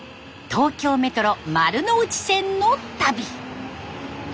東京メトロ丸ノ内線の旅。